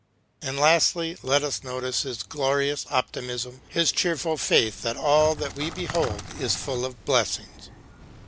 And lastly let us notice his glorious optimism, his cheerful faith that all that we behold is full of blessings.